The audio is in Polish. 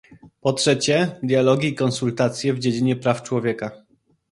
Po trzecie,, dialogi i konsultacje w dziedzinie praw człowieka